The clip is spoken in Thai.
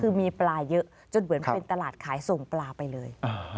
คือมีปลาเยอะจนเหมือนเป็นตลาดขายส่งปลาไปเลย